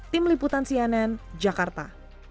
tim liputan cnn jakarta